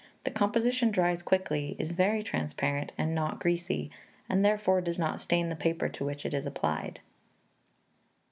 The composition dries quickly, is very transparent, and not greasy, and therefore, does not stain the paper to which it is applied.